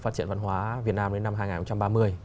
phát triển văn hóa việt nam đến năm hai nghìn ba mươi